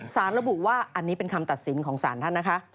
สารระบุว่าอันนี้เป็นคำตัดสินของสารท่านนะคะ